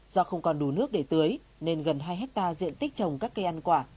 do không còn đủ nước để tưới nên gần hai hectare diện tích trồng các cây ăn quả